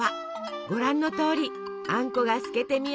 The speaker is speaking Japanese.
ご覧のとおりあんこが透けて見えるほど。